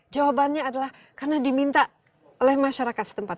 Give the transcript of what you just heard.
jawabannya adalah karena diminta oleh masyarakat setempat